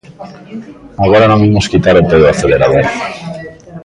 Agora non imos quitar o pé do acelerador.